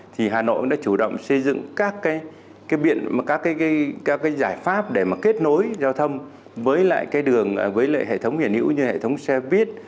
thì hà nội cũng đã chủ động xây dựng các giải pháp để kết nối giao thông với lại hệ thống hiển hữu như hệ thống xe buýt